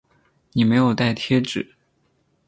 你有没有带贴纸